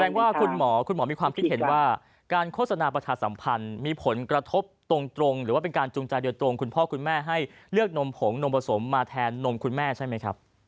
ว่าคุณหมอคุณหมอมีความคิดเห็นว่าการโฆษณาประชาสัมพันธ์มีผลกระทบตรงหรือว่าเป็นการจูงใจโดยตรงคุณพ่อคุณแม่ให้เลือกนมผงนมผสมมาแทนนมคุณแม่ใช่ไหมครับ